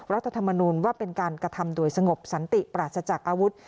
รัฐธรรมนุนว่าเป็นการกระทำโดยสงบสันติปราศจากอาวุธ